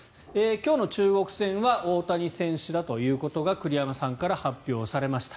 今日の中国戦は大谷選手だということが栗山さんから発表されました。